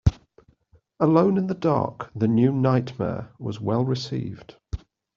"Alone in the Dark: The New Nightmare" was well received.